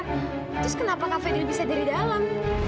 terus kenapa kak fadil bisa dari dalam